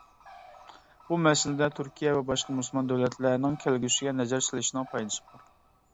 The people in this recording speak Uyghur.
بۇ مەسىلىدە تۈركىيە ۋە باشقا مۇسۇلمان دۆلەتلەرنىڭ كەلگۈسىگە نەزەر سېلىشنىڭ پايدىسى بار.